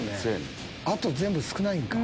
あと全部少ないんか。